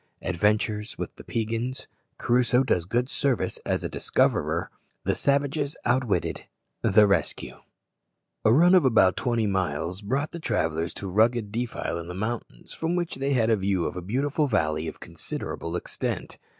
Adventures with the Peigans Crusoe does good service as a discoverer The savages outwitted The rescue. A run of twenty miles brought the travellers to a rugged defile in the mountains, from which they had a view of a beautiful valley of considerable extent.